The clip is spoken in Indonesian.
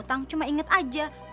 tunggu sebentar pak